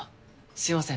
すみません